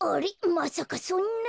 まさかそんな。